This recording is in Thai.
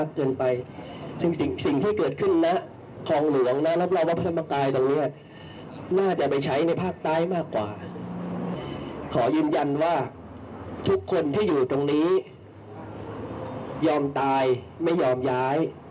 ขอยืนยันว่าทุกคนที่อยู่ตรงนี้ยอมตายไม่ยอมย้าย